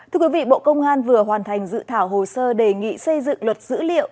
thưa quý vị bộ công an vừa hoàn thành dự thảo hồ sơ đề nghị xây dựng luật dữ liệu